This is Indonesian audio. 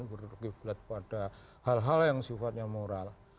berkiblat pada hal hal yang sifatnya moral